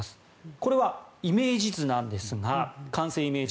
これはイメージ図なんですが完成イメージ。